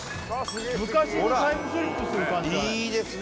昔にタイムスリップする感じいいですね